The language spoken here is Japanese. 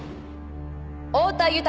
太田豊。